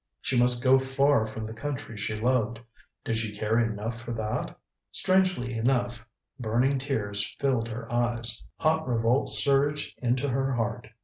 She must go far from the country she loved did she care enough for that? Strangely enough, burning tears filled her eyes. Hot revolt surged into her heart.